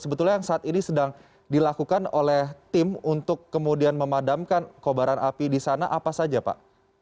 sebetulnya yang saat ini sedang dilakukan oleh tim untuk kemudian memadamkan kobaran api di sana apa saja pak